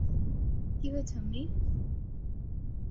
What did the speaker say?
কী হয়েছে, আম্মি?